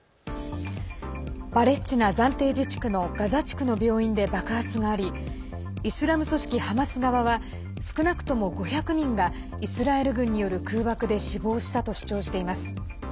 パレスチナ暫定自治区のガザ地区の病院で爆発がありイスラム組織ハマス側は少なくとも５００人がイスラエル軍による空爆で死亡したと主張しています。